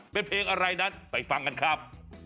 เป็นเพลงอะไรนั้นไปฟังกันครับ